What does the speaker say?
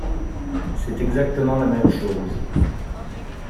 C’est exactement la même chose !